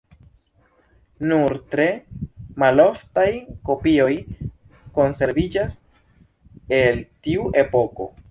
Nur tre maloftaj kopioj konserviĝas el tiu epoko.